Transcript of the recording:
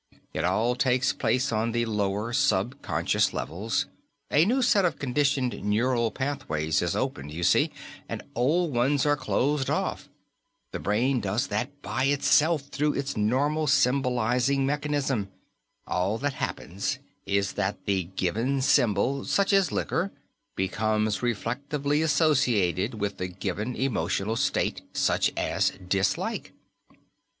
It all takes place on the lower subconscious levels. A new set of conditioned neural pathways is opened, you see, and old ones are closed off. The brain does that by itself, through its normal symbolizing mechanism. All that happens is that the given symbol such as liquor becomes reflectively associated with the given emotional state, such as dislike."